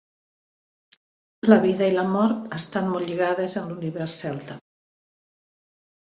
La vida i la mort estan molt lligades en l'univers celta.